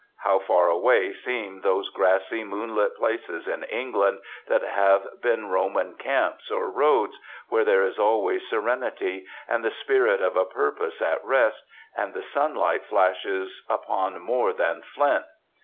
How far away seem those grassy, moonlit places in England that have been Roman camps or roads, where there is always serenity, and the spirit of a purpose at rest, and the sunlight flashes upon more than flint!